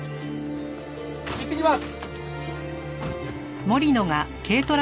いってきます。